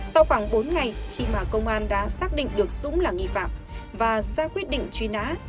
sau khoảng bốn ngày khi mà công an đã xác định được dũng là nghi phạm và ra quyết định truy nã